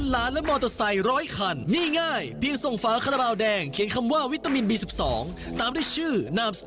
แล้วถ้าใครอยากจะเป็นผู้โชคดีนะจ๊ะ